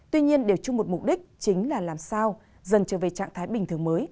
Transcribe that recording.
tuy nhiên để chung một mục đích chính là làm sao dần trở về trạng thái bình thường mới